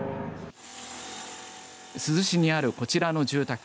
珠洲市にあるこちらの住宅。